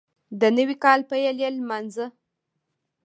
د نوي کال پیل یې لمانځه